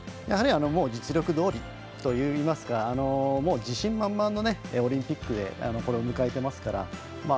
やはり実力どおりといいますかもう自信満々のオリンピックでこれを迎えてますから。